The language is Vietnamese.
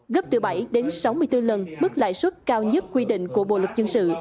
gấp từ bảy đến sáu mươi bốn lần mức lãi suất cao nhất quy định của bộ luật dân sự